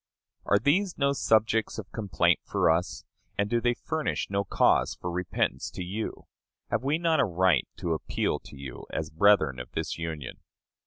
Are these no subjects of complaint for us? And do they furnish no cause for repentance to you? Have we not a right to appeal to you as brethren of this Union?